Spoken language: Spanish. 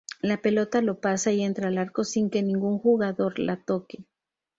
La pelota lo pasa y entra al arco sin que ningún jugador la toque.